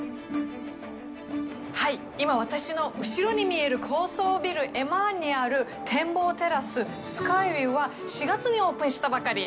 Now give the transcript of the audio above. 今、私の後ろに見える高層ビル、エマアルにある展望テラス、スカイビューは４月にオープンしたばかり。